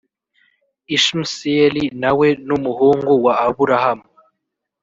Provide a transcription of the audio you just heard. Ishimsyeli nawe numuhungu wa aburahamu